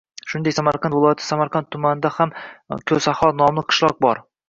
Shuningdek, Samarqand viloyati Samarqand tumanida ham Ko‘saho nomli qishloq bor.